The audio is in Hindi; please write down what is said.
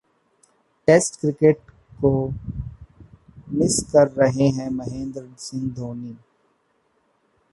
टेस्ट क्रिकेट को मिस कर रहे हैं महेंद्र सिंह धोनी